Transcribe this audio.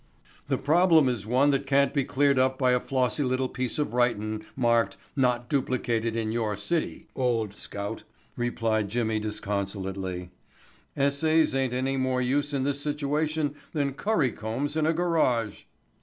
"The problem is one that can't be cleared up by a flossy little piece of writin' marked 'not duplicated in your city,' old scout," replied Jimmy disconsolately. "Essays ain't any more use in this situation than curry combs in a garage."